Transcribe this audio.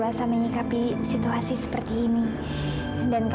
kamila bisa lebih dewasa menyikapi situasi seperti ini dan kamila